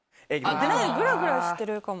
グラグラしてるかも。